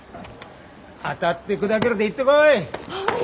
当たって砕けろで行ってこい！